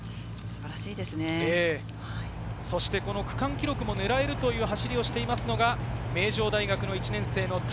区間記録も狙えるという走りをしているのが名城大学の１年生の谷